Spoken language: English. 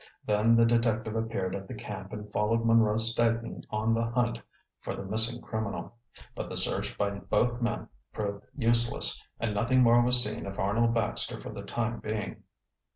Then the detective appeared at the camp and followed Munro Staton on the hunt for the missing criminal. But the search by both men proved useless, and nothing more was seen of Arnold Baxter for the time being.